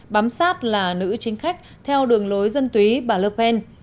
bám sát là nữ chính khách theo đường lối dân túy bà le pen